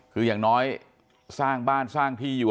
คืออย่างน้อยสร้างบ้านสร้างที่อยู่